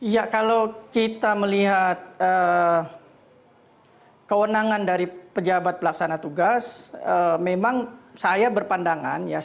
ya kalau kita melihat kewenangan dari pejabat pelaksana tugas memang saya berpandangan ya